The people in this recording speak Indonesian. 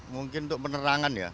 mungkin untuk penerangan ya